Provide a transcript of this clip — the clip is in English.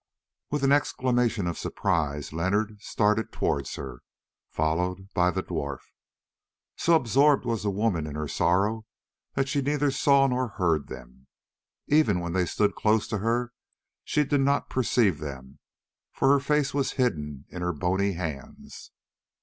With an exclamation of surprise Leonard started towards her, followed by the dwarf. So absorbed was the woman in her sorrow that she neither saw nor heard them. Even when they stood close to her she did not perceive them, for her face was hidden in her bony hands.